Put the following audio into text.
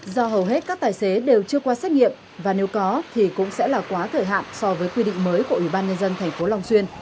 do hầu hết các tài xế đều chưa qua xét nghiệm và nếu có thì cũng sẽ là quá thời hạn so với quy định mới của ủy ban nhân dân tp long xuyên